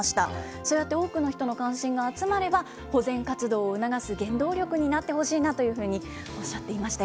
そうやって多くの人の関心が集まれば、保全活動を促す原動力になってほしいなというふうにおっしゃっていましたよ。